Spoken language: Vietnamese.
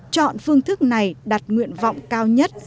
chọn phương thức này đặt nguyện vọng cao nhất